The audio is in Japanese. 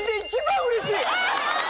うれしい。